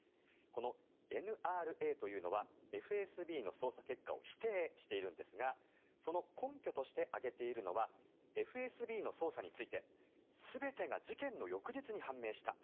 このＮＲＡというのはＦＳＢの捜査結果を否定しているんですがその根拠として挙げているのはＦＳＢの捜査について全てが事件の翌日に判明した。